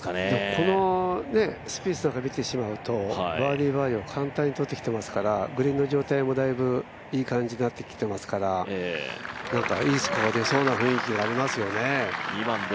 このスピースなんか見てしまうと、バーディー・バーディーを簡単にとってきてしまっていますからグリーンの状態もだいぶいい感じになってきてますから、いいスコア出そうな雰囲気ありますよね。